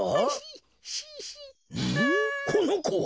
このこは。